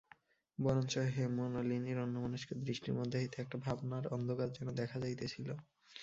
বরঞ্চ হেমনলিনীর অন্যমনস্ক দৃষ্টির মধ্য হইতে একটা ভাবনার অন্ধকার যেন দেখা যাইতেছিল।